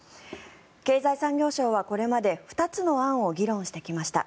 経済産業省はこれまで２つの案を議論してきました。